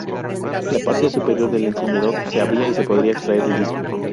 La parte superior del encendedor se abría y se podía extraer el disco.